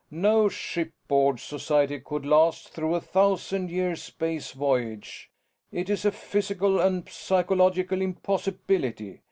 No shipboard society could last through a thousand year space voyage. It's a physical and psychological impossibility.